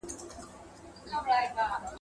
چي پر قام خدای مهربان سي نو سړی پکښي پیدا کړي !.